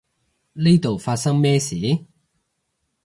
呢度發生咩事？